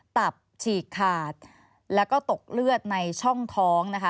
ตับฉีกขาดแล้วก็ตกเลือดในช่องท้องนะคะ